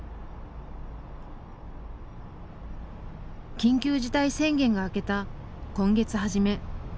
緊急事態宣言が明けた今月初め。